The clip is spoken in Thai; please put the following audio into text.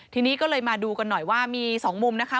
ทีนี้ก็เลยมาดูกันหน่อยว่ามีสองมุมนะคะ